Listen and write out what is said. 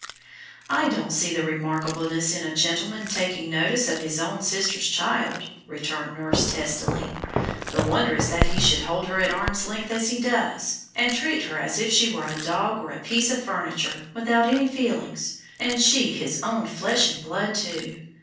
"I don't see the remarkableness in a gentleman taking notice of his own sister's child," returned nurse testily; "the wonder is that he should hold her at arm's length as he does, and treat her as if she were a dog or a piece of furniture, without any feelings, and she his own flesh and blood, too.